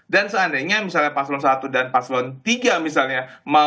dan seandainya misalnya paswan satu dan paswan tiga misalnya